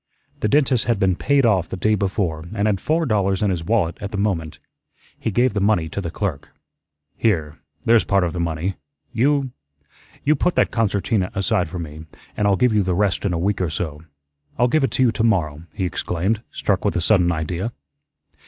The dentist had been paid off the day before and had four dollars in his wallet at the moment. He gave the money to the clerk. "Here, there's part of the money. You you put that concertina aside for me, an' I'll give you the rest in a week or so I'll give it to you tomorrow," he exclaimed, struck with a sudden idea.